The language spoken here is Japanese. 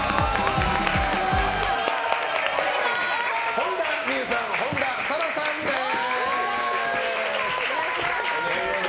本田望結さん、本田紗来さんです。